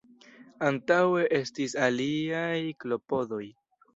Antaŭe estis aliaj klopodoj.